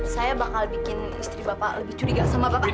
saya bakal bikin istri bapak lebih curiga sama bapak